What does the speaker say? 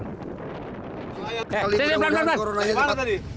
eh berangkat berangkat